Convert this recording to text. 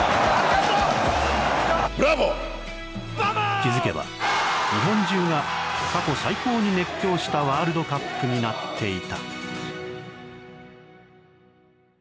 気づけば、日本中が過去最高に熱狂したワールドカップになっていた。